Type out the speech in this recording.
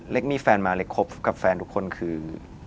มีแฟนมาเล็กคบกับแฟนทุกคนคือ